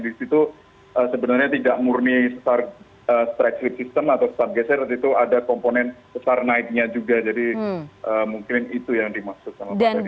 di situ sebenarnya tidak murni setara strip system atau setara geser ada komponen besar naiknya juga jadi mungkin itu yang dimaksud